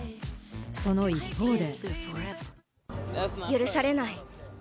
その一方で。